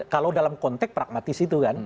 kalau dalam konteks pragmatis itu kan